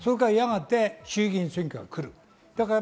やがて衆議院選挙が来ます。